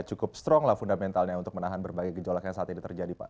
cukup strong lah fundamentalnya untuk menahan berbagai gejolak yang saat ini terjadi pak